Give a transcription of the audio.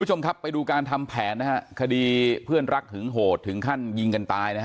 คุณผู้ชมครับไปดูการทำแผนนะฮะคดีเพื่อนรักหึงโหดถึงขั้นยิงกันตายนะฮะ